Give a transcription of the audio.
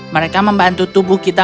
mereka membantu tubuh kita